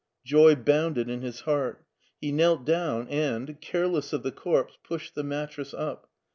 Joy bounded in his heart. He knelt down, and, careless of the corpse, pushed the mattress up.